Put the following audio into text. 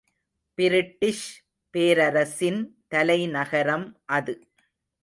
British பேரரசின் தலைநகரம் அது.